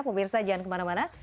pemirsa jangan kemana mana